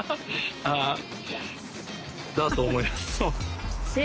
だと思います。